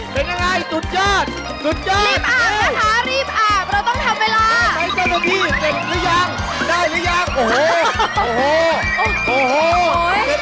เขาหนาวนู่นว่าหนาวแน่เลย